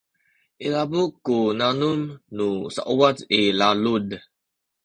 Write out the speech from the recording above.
ilabu ku nanum nu sauwac i lalud